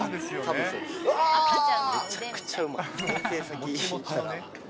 めちゃくちゃうまい。